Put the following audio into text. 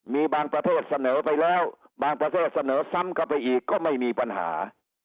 มีบางประเทศเสนอไปแล้วบางประเทศเสนอซ้ำเข้าไปอีกก็ไม่มีปัญหา